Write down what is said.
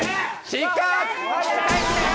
失格！